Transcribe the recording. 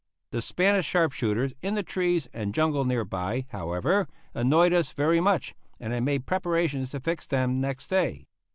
The Spanish sharp shooters in the trees and jungle nearby, however, annoyed us very much, and I made preparations to fix them next day.